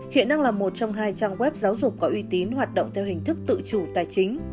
hiện đang là một trong hai trang web giáo dục có uy tín hoạt động theo hình thức tự chủ tài chính